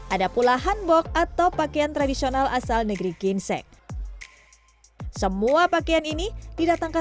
ada pula hanbok atau pakaian tradisional asal negeri ginseng semua pakaian ini didatangkan